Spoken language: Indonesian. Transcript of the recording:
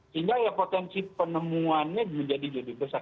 sehingga ya potensi penemuannya menjadi lebih besar